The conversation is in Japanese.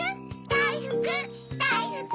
だいふくだいふく！